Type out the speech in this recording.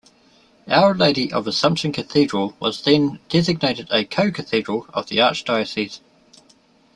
Our Lady of Assumption Cathedral was then designated a co-cathedral of the archdiocese.